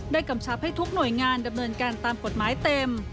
กำชับให้ทุกหน่วยงานดำเนินการตามกฎหมายเต็ม